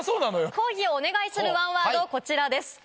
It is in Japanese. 講義をお願いするワンワード、こちらです。